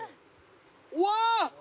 うわ！